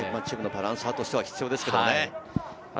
チームのバランサーとしては必要ですよね。